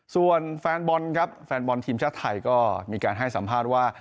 ส่วนแฟนบอลครับแฟนบอลทีมชาติไทยก็มีการให้สัมภาษณ์ว่า